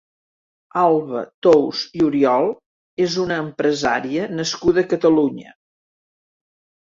Alba Tous i Oriol és una empresària nascuda a Catalunya.